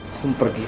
aku mau pergi